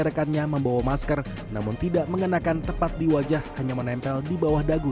rekannya membawa masker namun tidak mengenakan tepat di wajah hanya menempel di bawah dagu